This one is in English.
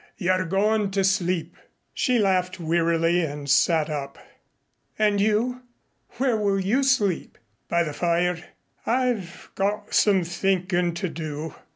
You are going to sleep." She laughed wearily and sat up. "And you? Where will you sleep?" "By the fire. I've got some thinkin' to do.